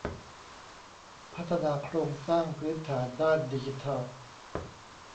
พัฒนาโครงสร้างพื้นฐานด้านดิจิทัล